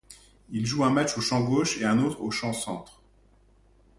Il joue un match au champ gauche et un autre au champ centre.